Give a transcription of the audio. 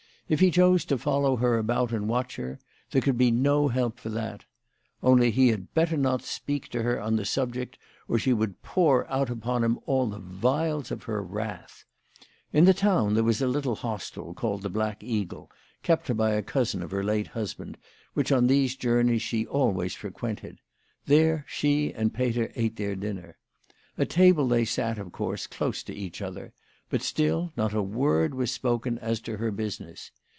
If he chose to follow her about and watch her, there could be no help for that. Only he had better not speak to her on the sub ject, or she would pour out upon him all the vials of her wrath ! In the town there was a little hostel called the Black Eagle, kept by a cousin of her late husband, which on these journeys she always frequented : there she and Peter ate their dinner. At table they sat, of course, close to each other ; but still not a word was spoken as to her business.